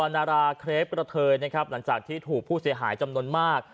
นาราเครปกระเทยนะครับหลังจากที่ถูกผู้เสียหายจำนวนมาก